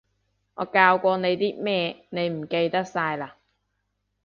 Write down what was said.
我教過你啲咩，你唔記得晒嘞？